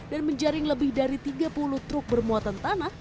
dan menjaring lebih dari tiga puluh truk bermuatan